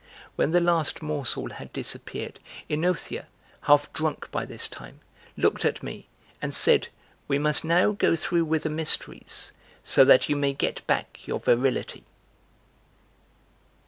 When the last morsel had disappeared, OEnothea, half drunk by this time, looked at me and said, "We must now go through with the mysteries, so that you may get back your virility.")